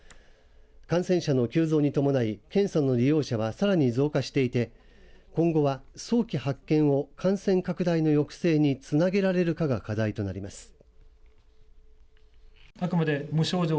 感染者の急増に伴い検査の利用者はさらに増加していて今後は早期発見を感染拡大の抑制につなげられるかが課題となります。